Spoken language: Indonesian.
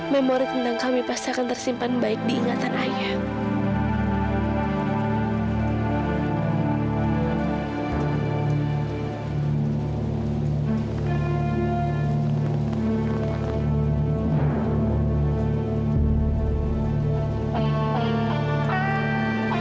memori tentang kami pasti akan tersimpan baik diingatan ayah